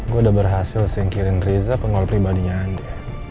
gue udah berhasil singkirin riza pengol pribadinya andi